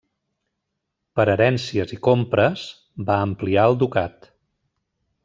Per herències i compres, va ampliar el ducat.